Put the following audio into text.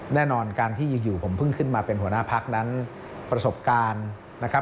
แน่นอนการที่อยู่ผมเพิ่งขึ้นมาเป็นหัวหน้าพักนั้นประสบการณ์นะครับ